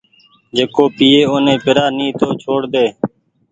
جيڪو پيئي اوني پيرآ ني تو چهوڙ ۮي